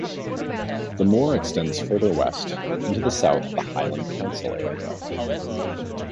The moor extends further west, into the south of the Highland council area.